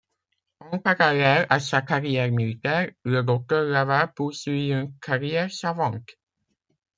En parallèle à sa carrière militaire, le docteur Laval poursuit une carrière savante.